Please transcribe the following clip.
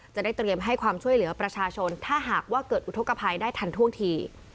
จะได้เตรียมให้ความช่วยเหลือประชาชนถ้าหากว่าเกิดอุทธกภัยได้ทันท่วงที